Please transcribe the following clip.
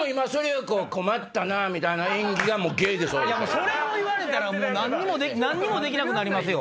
それを言われたら何にもできなくなりますよ。